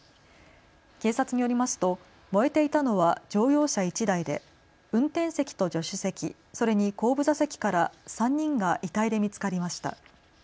警察によりますと燃えていたのは乗用車１台で運転席と助手席、それに後部座席から３人が遺体で見つかりました。